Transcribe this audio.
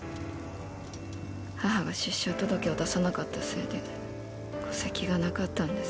母が出生届を出さなかったせいで戸籍がなかったんです。